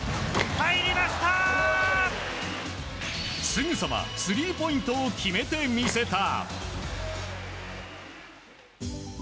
すぐさまスリーポイントを決めてみせた。